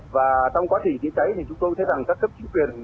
và trong quá trình chữa cháy thì chúng tôi thấy rằng các cấp chính quyền